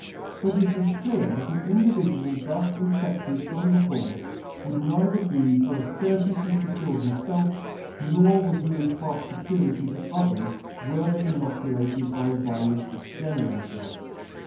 But it is clear that an individual thus infedted from the horfe, would neither be for a certainty fecure himfelf, nor would he impart fecurity to others, were they inoculated by virus thus generated.